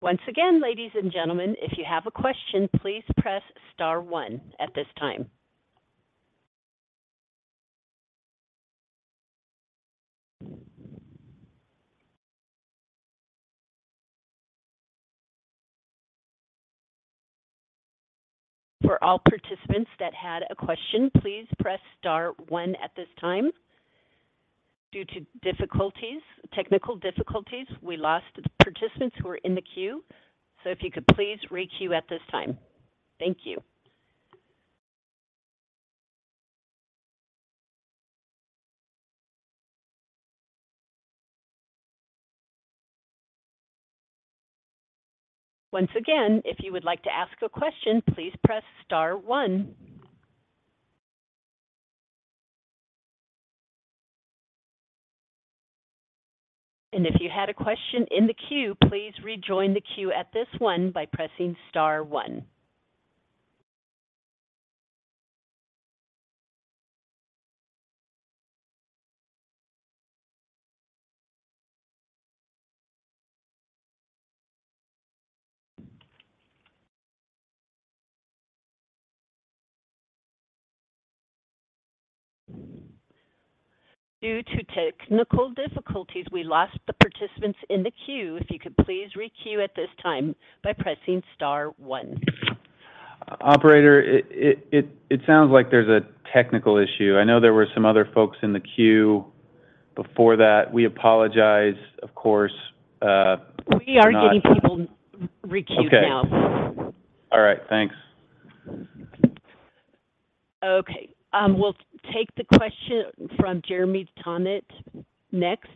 Once again, ladies and gentlemen, if you have a question, please press star one at this time. For all participants that had a question, please press star one at this time. Due to technical difficulties, we lost participants who were in the queue. So if you could please re-queue at this time. Thank you. Once again, if you would like to ask a question, please press star one. And if you had a question in the queue, please rejoin the queue at this one by pressing star one. Due to technical difficulties, we lost the participants in the queue. If you could please re-queue at this time by pressing star one. Operator, it sounds like there's a technical issue. I know there were some other folks in the queue before that. We apologize, of course. We are getting people re-queued now. Okay. All right. Thanks. Okay. We'll take the question from Jeremy Tonet next.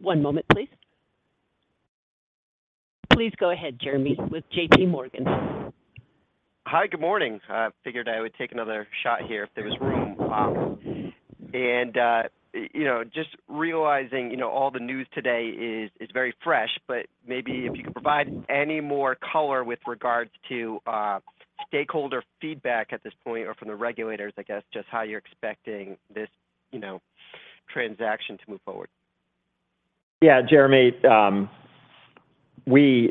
One moment, please. Please go ahead, Jeremy, with JPMorgan. Hi, good morning. I figured I would take another shot here if there was room. And just realizing all the news today is very fresh, but maybe if you could provide any more color with regards to stakeholder feedback at this point or from the regulators, I guess just how you're expecting this transaction to move forward. Yeah, Jeremy, we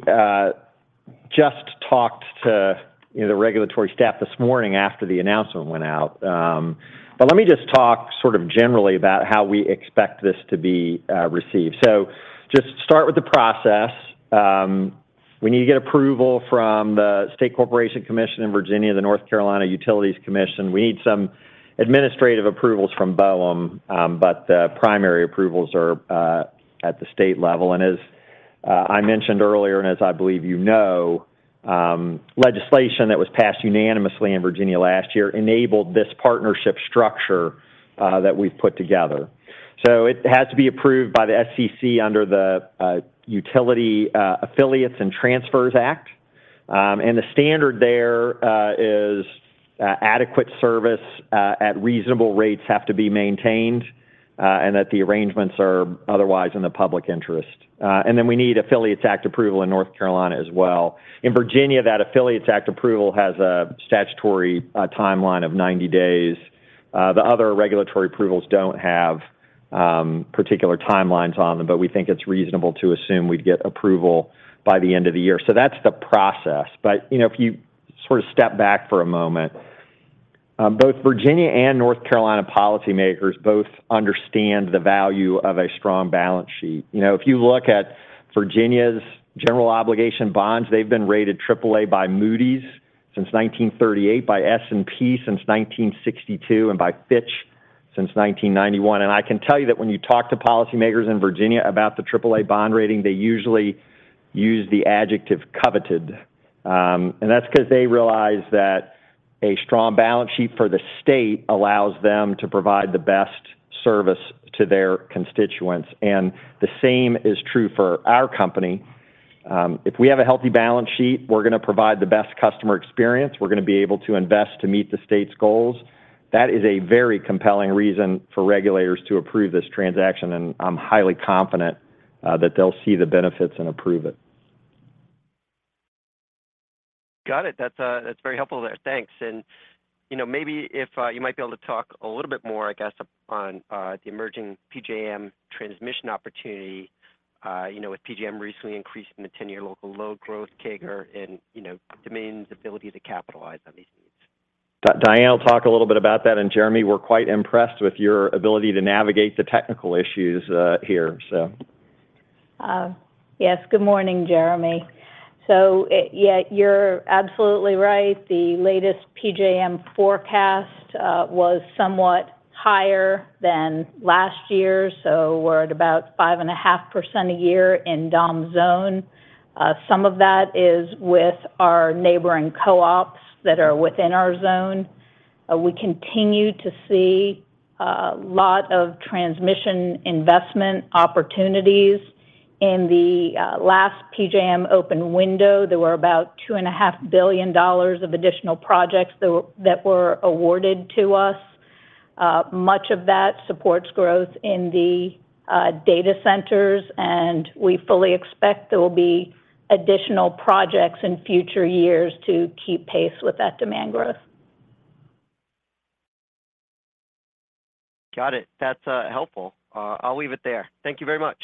just talked to the regulatory staff this morning after the announcement went out. But let me just talk sort of generally about how we expect this to be received. So just start with the process. We need to get approval from the State Corporation Commission in Virginia, the North Carolina Utilities Commission. We need some administrative approvals from BOEM, but the primary approvals are at the state level. And as I mentioned earlier and as I believe you know, legislation that was passed unanimously in Virginia last year enabled this partnership structure that we've put together. So it has to be approved by the SCC under the Utility Affiliates and Transfers Act. And the standard there is adequate service at reasonable rates have to be maintained and that the arrangements are otherwise in the public interest. Then we need Affiliates Act approval in North Carolina as well. In Virginia, that Affiliates Act approval has a statutory timeline of 90 days. The other regulatory approvals don't have particular timelines on them, but we think it's reasonable to assume we'd get approval by the end of the year. That's the process. But if you sort of step back for a moment, both Virginia and North Carolina policymakers understand the value of a strong balance sheet. If you look at Virginia's general obligation bonds, they've been rated AAA by Moody's since 1938, by S&P since 1962, and by Fitch since 1991. And I can tell you that when you talk to policymakers in Virginia about the AAA bond rating, they usually use the adjective coveted. That's because they realize that a strong balance sheet for the state allows them to provide the best service to their constituents. The same is true for our company. If we have a healthy balance sheet, we're going to provide the best customer experience. We're going to be able to invest to meet the state's goals. That is a very compelling reason for regulators to approve this transaction, and I'm highly confident that they'll see the benefits and approve it. Got it. That's very helpful there. Thanks. And maybe if you might be able to talk a little bit more, I guess, on the emerging PJM transmission opportunity with PJM recently increasing the 10-year local load growth CAGR and Dominion's ability to capitalize on these needs. Diane, I'll talk a little bit about that. And Jeremy, we're quite impressed with your ability to navigate the technical issues here, so. Yes. Good morning, Jeremy. So yeah, you're absolutely right. The latest PJM forecast was somewhat higher than last year, so we're at about 5.5% a year in DOM zone. Some of that is with our neighboring co-ops that are within our zone. We continue to see a lot of transmission investment opportunities. In the last PJM open window, there were about $2.5 billion of additional projects that were awarded to us. Much of that supports growth in the data centers, and we fully expect there will be additional projects in future years to keep pace with that demand growth. Got it. That's helpful. I'll leave it there. Thank you very much.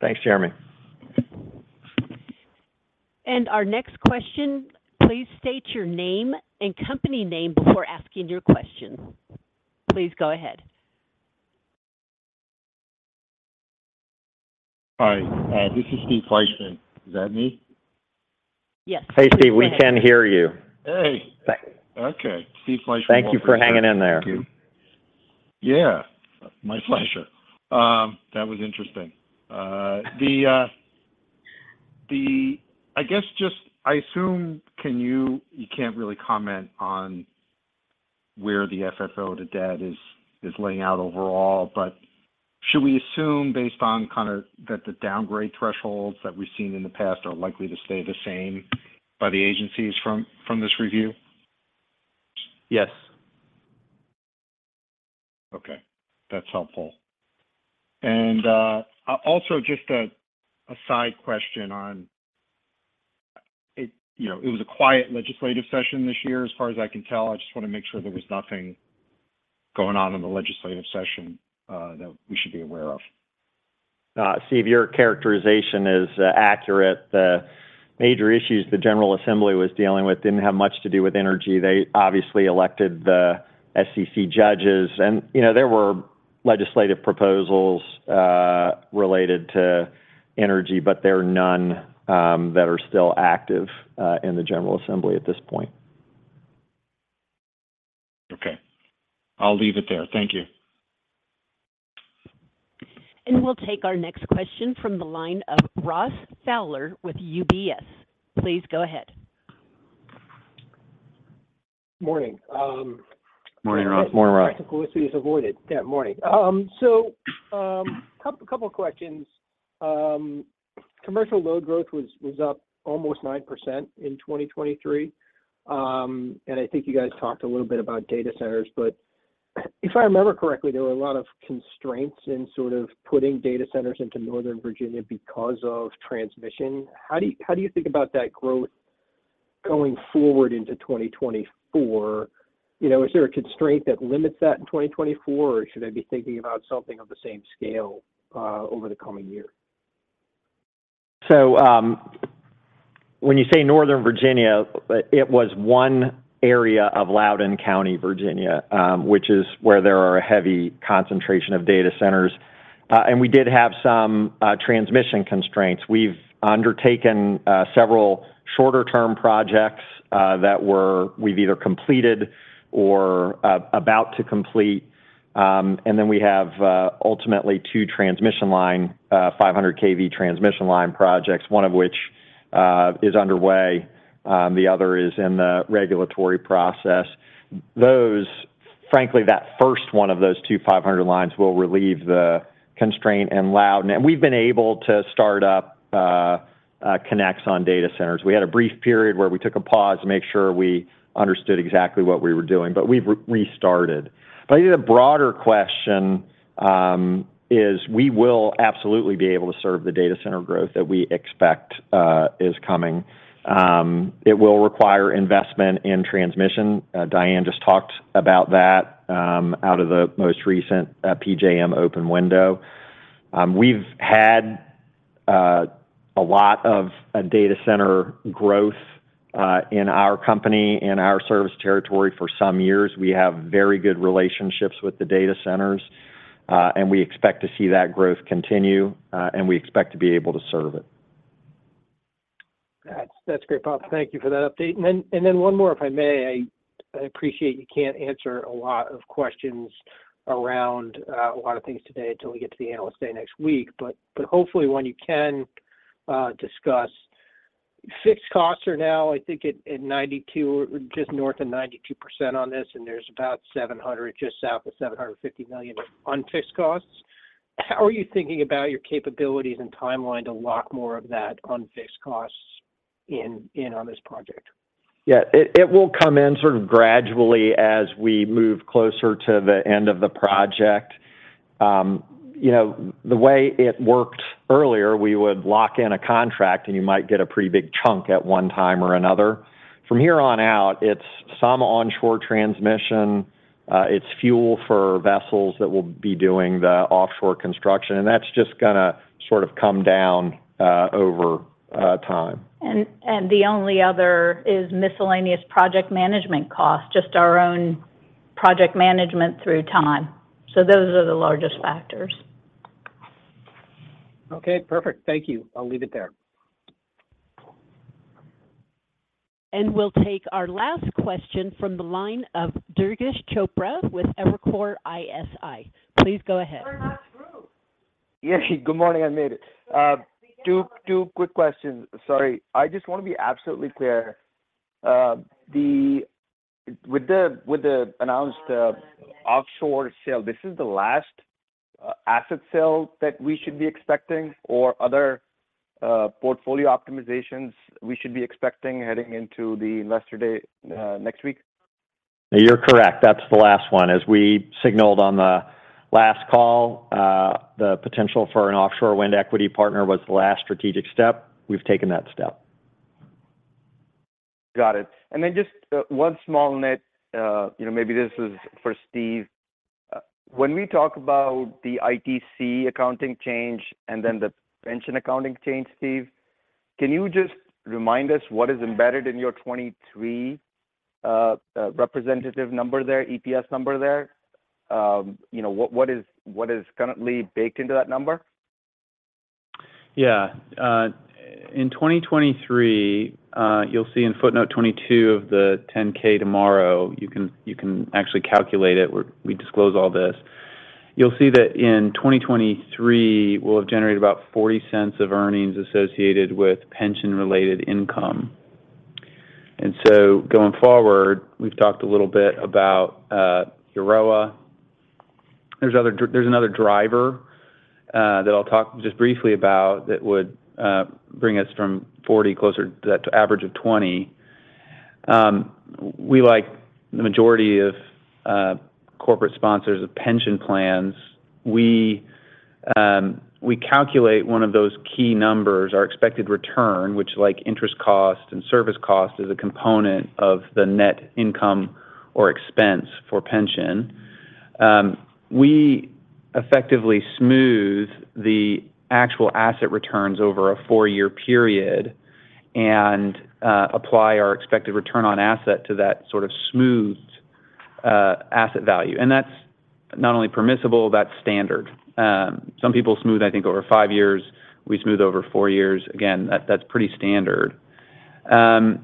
Thanks, Jeremy. Our next question, please state your name and company name before asking your question. Please go ahead. Hi. This is Steve Fleishman. Is that me? Yes. Hey, Steve. We can hear you. Hey. Okay. Steve Fleishman. Thank you for hanging in there. Yeah. My pleasure. That was interesting. I guess just I assume you can't really comment on where the FFO to Debt is laying out overall, but should we assume based on kind of that the downgrade thresholds that we've seen in the past are likely to stay the same by the agencies from this review? Yes. Okay. That's helpful. Also just a side question on it was a quiet legislative session this year, as far as I can tell. I just want to make sure there was nothing going on in the legislative session that we should be aware of. Steve, your characterization is accurate. The major issues the General Assembly was dealing with didn't have much to do with energy. They obviously elected the SCC judges. There were legislative proposals related to energy, but there are none that are still active in the General Assembly at this point. Okay. I'll leave it there. Thank you. We'll take our next question from the line of Ross Fowler with UBS. Please go ahead. Morning. Morning, Ross. Technical issues avoided. Yeah, morning. So a couple of questions. Commercial load growth was up almost 9% in 2023. I think you guys talked a little bit about data centers. But if I remember correctly, there were a lot of constraints in sort of putting data centers into Northern Virginia because of transmission. How do you think about that growth going forward into 2024? Is there a constraint that limits that in 2024, or should I be thinking about something of the same scale over the coming year? So when you say northern Virginia, it was one area of Loudoun County, Virginia, which is where there are a heavy concentration of data centers. And we did have some transmission constraints. We've undertaken several shorter-term projects that we've either completed or about to complete. And then we have ultimately two 500 kV transmission line projects, one of which is underway. The other is in the regulatory process. Frankly, that first one of those two 500 lines will relieve the constraint in Loudoun. And we've been able to start up connects on data centers. We had a brief period where we took a pause to make sure we understood exactly what we were doing, but we've restarted. But I think the broader question is we will absolutely be able to serve the data center growth that we expect is coming. It will require investment in transmission. Diane just talked about that out of the most recent PJM open window. We've had a lot of data center growth in our company and our service territory for some years. We have very good relationships with the data centers, and we expect to see that growth continue, and we expect to be able to serve it. That's great, Bob. Thank you for that update. And then one more, if I may. I appreciate you can't answer a lot of questions around a lot of things today until we get to the analyst day next week. But hopefully, one you can discuss. Fixed costs are now, I think, just north of 92% on this, and there's about $700 million just south of $750 million unfixed costs. How are you thinking about your capabilities and timeline to lock more of that unfixed costs in on this project? Yeah. It will come in sort of gradually as we move closer to the end of the project. The way it worked earlier, we would lock in a contract, and you might get a pretty big chunk at one time or another. From here on out, it's some onshore transmission. It's fuel for vessels that will be doing the offshore construction. And that's just going to sort of come down over time. The only other is miscellaneous project management costs, just our own project management through time. Those are the largest factors. Okay. Perfect. Thank you. I'll leave it there. We'll take our last question from the line of Durgesh Chopra with Evercore ISI. Please go ahead. Yeah. Good morning. I made it. Two quick questions. Sorry. I just want to be absolutely clear. With the announced offshore sale, this is the last asset sale that we should be expecting, or other portfolio optimizations we should be expecting heading into the Investor Day next week? You're correct. That's the last one. As we signaled on the last call, the potential for an offshore wind equity partner was the last strategic step. We've taken that step. Got it. And then just one small note, maybe this is for Steve. When we talk about the ITC accounting change and then the pension accounting change, Steve, can you just remind us what is embedded in your 2023 representative number there, EPS number there? What is currently baked into that number? Yeah. In 2023, you'll see in footnote 22 of the 10-K tomorrow, you can actually calculate it. We disclose all this. You'll see that in 2023, we'll have generated about $0.40 of earnings associated with pension-related income. And so going forward, we've talked a little bit about EROA. There's another driver that I'll talk just briefly about that would bring us from $0.40 closer to that average of $0.20. We, like the majority of corporate sponsors of pension plans, calculate one of those key numbers, our expected return, which interest cost and service cost is a component of the net income or expense for pension. We effectively smooth the actual asset returns over a four-year period and apply our expected return on asset to that sort of smoothed asset value. And that's not only permissible, that's standard. Some people smooth, I think, over five years. We smooth over four years. Again, that's pretty standard. And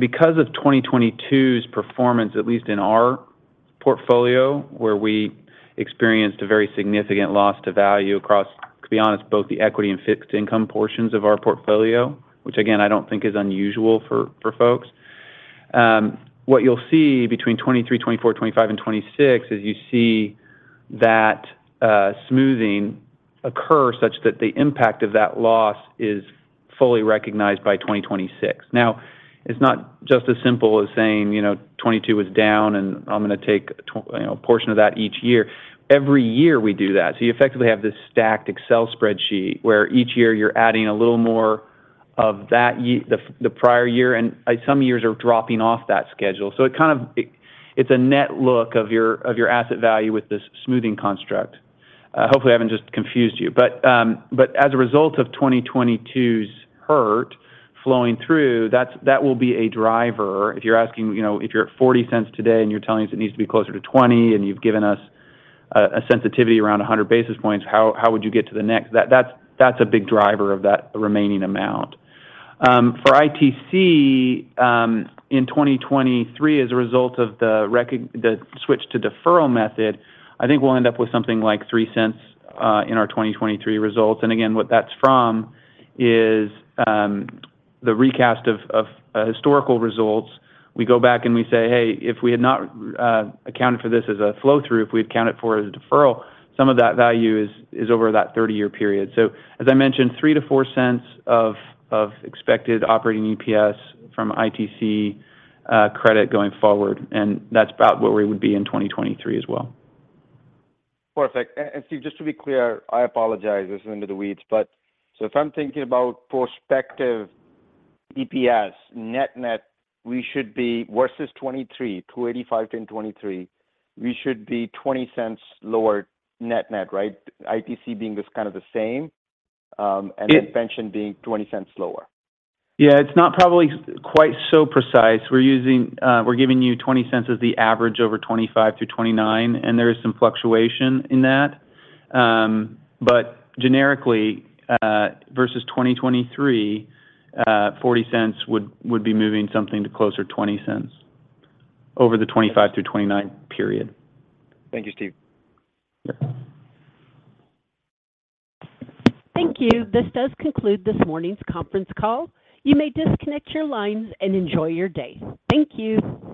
because of 2022's performance, at least in our portfolio, where we experienced a very significant loss to value across, to be honest, both the equity and fixed income portions of our portfolio, which, again, I don't think is unusual for folks, what you'll see between 2023, 2024, 2025, and 2026 is you see that smoothing occur such that the impact of that loss is fully recognized by 2026. Now, it's not just as simple as saying 2022 was down, and I'm going to take a portion of that each year. Every year, we do that. So you effectively have this stacked Excel spreadsheet where each year, you're adding a little more of the prior year, and some years are dropping off that schedule. So it's a net look of your asset value with this smoothing construct. Hopefully, I haven't just confused you. But as a result of 2022's hurt flowing through, that will be a driver. If you're asking if you're at $0.40 today and you're telling us it needs to be closer to $0.20, and you've given us a sensitivity around 100 basis points, how would you get to the next? That's a big driver of that remaining amount. For ITC, in 2023, as a result of the switch to deferral method, I think we'll end up with something like $0.03 in our 2023 results. And again, what that's from is the recast of historical results. We go back and we say, "Hey, if we had not accounted for this as a flow-through, if we had counted for it as a deferral, some of that value is over that 30-year period." So as I mentioned, $0.03-$0.04 of expected operating EPS from ITC credit going forward. That's about where we would be in 2023 as well. Perfect. And Steve, just to be clear, I apologize. This is into the weeds. So if I'm thinking about prospective EPS, net-net, we should be versus 2023, $2.85 to in 2023, we should be $0.20 lower net-net, right? ITC being kind of the same and then pension being $0.20 lower. Yeah. It's not probably quite so precise. We're giving you $0.20 as the average over 2025 through 2029, and there is some fluctuation in that. But generically, versus 2023, $0.40 would be moving something to closer $0.20 over the 2025 through 2029 period. Thank you, Steve. Thank you. This does conclude this morning's conference call. You may disconnect your lines and enjoy your day. Thank you.